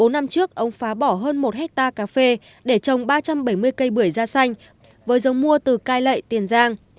bốn năm trước ông phá bỏ hơn một hectare cà phê để trồng ba trăm bảy mươi cây bưởi da xanh với giống mua từ cai lệ tiền giang